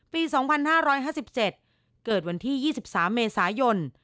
ปี๒๕๕๗เกิดวันที่๒๓เมษายน